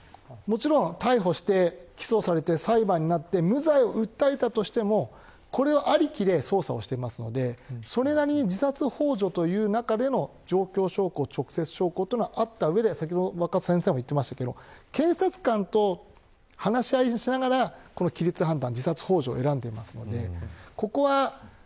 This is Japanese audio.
逮捕して起訴されて裁判になって無罪を訴えたとしてもこれをありきで捜査していますのでそれなりに自殺ほう助という中での状況証拠直接証拠はあった上で若狭先生も言っていましたが検察官と話し合いながら規律判断